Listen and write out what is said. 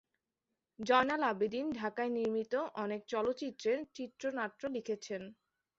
জয়নাল আবেদীন ঢাকায় নির্মিত অনেক চলচ্চিত্রের চিত্রনাট্য লিখেছেন।